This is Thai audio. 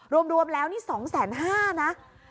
รวมแล้วนี่๒๕๐๐นะ